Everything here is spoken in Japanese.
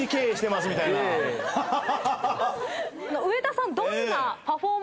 上田さん。